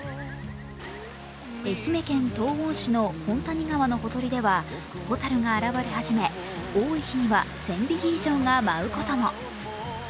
愛媛県東温市の本谷川のほとりでは、ホタルが現れ始め多い日には１０００匹以上が舞うことも。